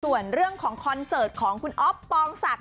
ส่วนเรื่องของคอนเสิร์ตของคุณอ๊อฟปองศักดิ